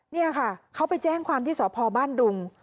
นี่ค่ะเขาไปแจ้งความที่สพบ้านดุง